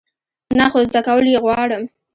نه، خو زده کول یی غواړم